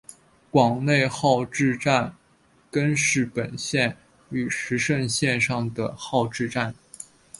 广内号志站根室本线与石胜线上的号志站。